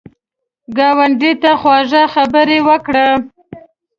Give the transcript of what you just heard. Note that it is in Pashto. ګاونډي ته خواږه خبرې وکړه